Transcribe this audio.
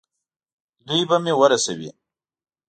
دوی به مې ورسوي.